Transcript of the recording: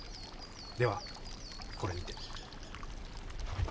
ではこれにて。